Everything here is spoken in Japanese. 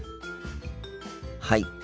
はい。